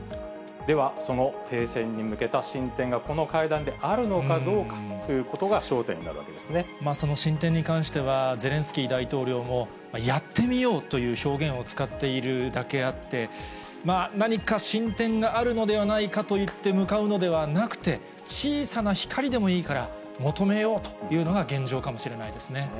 では、その停戦に向けた進展がこの会談であるのかどうかということが焦その進展に関しては、ゼレンスキー大統領も、やってみようという表現を使っているだけあって、何か進展があるのではないかといって向かうのではなくて、小さな光でもいいから求めようというのが現状かもしれないですね。